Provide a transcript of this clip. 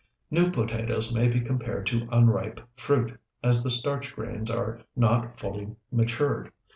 New potatoes may be compared to unripe fruit, as the starch grains are not fully matured.